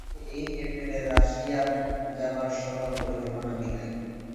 সুতরাং এই এপ্রিলে রাশিয়ায় যাবার সকল পরিকল্পনা বিদায়।